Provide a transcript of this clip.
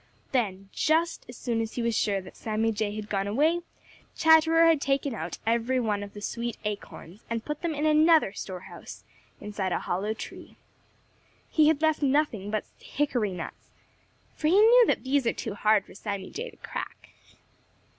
Then, just as soon as he was sure that Sammy Jay had gone away, Chatterer had taken out every one of the sweet acorns and put them in another store house inside a hollow tree. He had left nothing but hickory nuts, for he knew that these are too hard for Sammy Jay to crack.